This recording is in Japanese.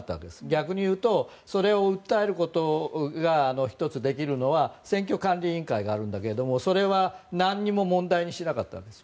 逆にいうとそれを訴えることが１つできるのは選挙管理委員会があるんだけれどもそれは、なんにも問題にしなかったんです。